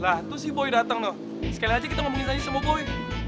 lah itu si boy datang noh sekali aja kita ngomongin saja sama boy